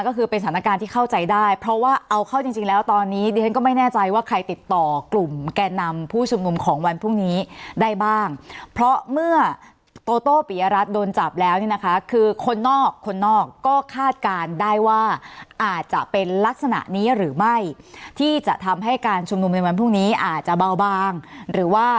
ก็คือเป็นสถานการณ์ที่เข้าใจได้เพราะว่าเอาเข้าจริงแล้วตอนนี้ดิฉันก็ไม่แน่ใจว่าใครติดต่อกลุ่มแก่นำผู้ชุมนุมของวันพรุ่งนี้ได้บ้างเพราะเมื่อโตโต้ปิยรัฐโดนจับแล้วเนี่ยนะคะคือคนนอกคนนอกก็คาดการณ์ได้ว่าอาจจะเป็นลักษณะนี้หรือไม่ที่จะทำให้การชุมนุมในวันพรุ่งนี้อาจจะเบาบ้างหรือว่า